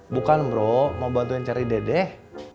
bukan bro mau bantuin cari dedeh